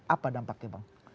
apa dampaknya bang